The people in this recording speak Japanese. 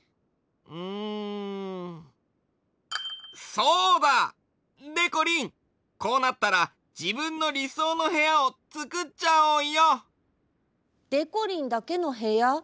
そうだ！でこりんこうなったらじぶんのりそうのへやをつくっちゃおうよ！でこりんだけのへや？